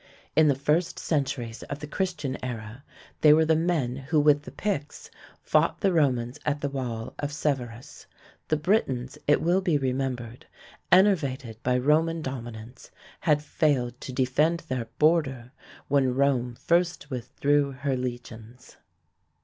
In the first centuries of the Christian era they were the men who with the Picts fought the Romans at the wall of Severus. The Britons, it will be remembered, enervated by Roman dominance, had failed to defend their "border" when Rome first withdrew her legions.